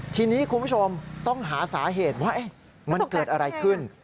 ทีนี้คุณผู้ชมต้องหาสาเหตุว่ามันเกิดอะไรขึ้น